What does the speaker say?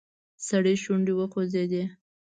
سړي شونډې وخوځېدې.